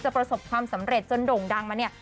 ประสบความสำเร็จจนโด่งดังมาเนี่ย